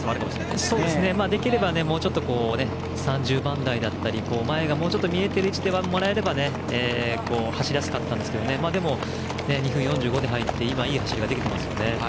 できれば、もうちょっと３０番台だったり前が見えている位置でもらえれば走りやすかったんですが２分４５で入って今いい走りができていますので。